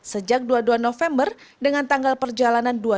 sejak dua puluh dua november dengan tanggal perjalanan